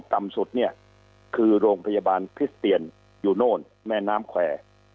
ต่ำสุดเนี่ยคือโรงพยาบาลคริสเตียนอยู่โน่นแม่น้ำแควร์